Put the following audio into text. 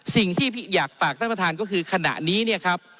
สิ่งที่อยากฝากท่านประธานก็คือขณะนี้เนี่ยครับ